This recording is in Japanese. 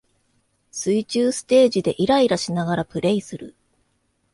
水中ステージでイライラしながらプレイする